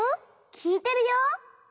きいてるよ。